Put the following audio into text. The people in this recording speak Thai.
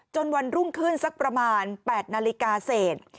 วันรุ่งขึ้นสักประมาณ๘นาฬิกาเศษ